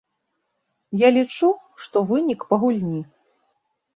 Я лічу, што вынік па гульні.